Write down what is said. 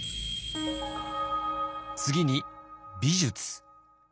次に美術。